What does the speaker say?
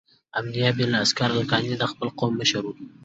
امیة بن الاسکر الکناني د خپل قوم مشر و،